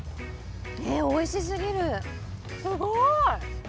えおいしすぎるすごい！